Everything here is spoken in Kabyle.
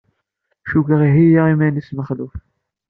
Cukkeɣ iheyya iman-is Mexluf.